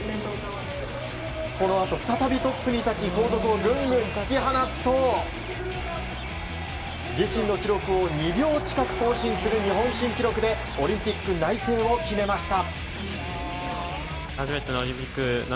このあと再びトップに立ち後続をグングン突き放すと自身の記録を２秒近く更新する日本新記録でオリンピック内定を決めました。